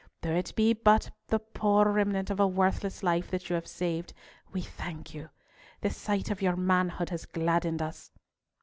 Though it be but the poor remnant of a worthless life that you have saved, we thank you. The sight of your manhood has gladdened us."